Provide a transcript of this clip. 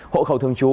hộ khẩu thường trú